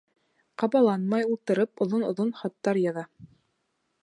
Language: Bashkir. Ҡабаланмай, ултырып, оҙон-оҙон хаттар яҙа.